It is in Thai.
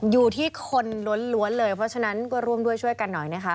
อยู่ที่คนล้วนเลยเพราะฉะนั้นก็ร่วมด้วยช่วยกันหน่อยนะคะ